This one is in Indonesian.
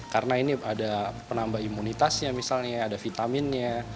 karena ini ada penambah imunitasnya misalnya ada vitaminnya